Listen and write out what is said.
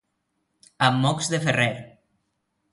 Amb mocs de ferrer.